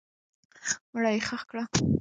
مړی یې ښخ کړه.